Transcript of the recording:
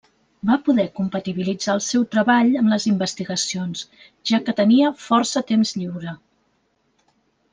Va poder compatibilitzar el seu treball amb les investigacions, ja que tenia força temps lliure.